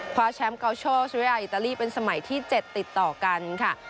คว้าแชมป์เกาโชริยาอิตาลีเป็นสมัยที่๗ติดต่อกันค่ะ